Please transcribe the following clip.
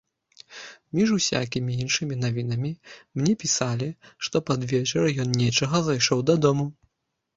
Між усякімі іншымі навінамі мне пісалі, што пад вечар ён нечага зайшоў дадому.